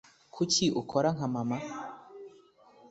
Kuki ukora nka mama?